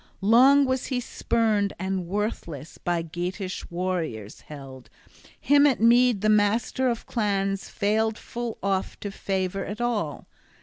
Long was he spurned, and worthless by Geatish warriors held; him at mead the master of clans failed full oft to favor at all.